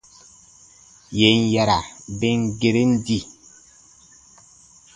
Yè n yara ben geren di.